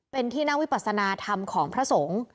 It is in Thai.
เป็นที่นั่งวิปัสนาธรรมของพระสงฆ์